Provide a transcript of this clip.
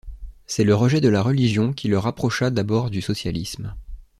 C'est le rejet de la religion qui le rapprocha d'abord du socialisme.